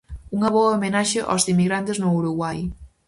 Unha boa homenaxe aos emigrantes no Uruguai.